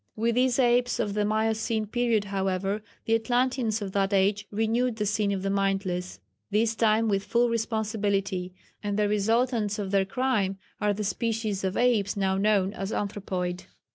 With these Apes of the Miocene period, however, the Atlanteans of that age renewed the sin of the "mindless" this time with full responsibility, and the resultants of their crime are the species of Apes now known as Anthropoid.